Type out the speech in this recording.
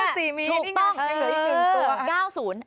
อุ้ยงวด๔มีถูกต้องเหลือ๑ตัว